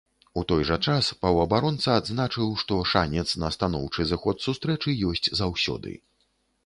У той жа час паўабаронца адзначыў, што шанец на станоўчы зыход сустрэчы ёсць заўсёды.